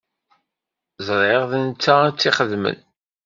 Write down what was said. Ẓriɣ d netta i tt-ixedmen.